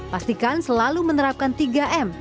pastikan selalu menerapkan tiga m